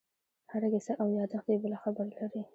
هره کیسه او یادښت یې بله خبره لري.